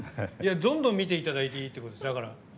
どんどん見ていただいていってことです。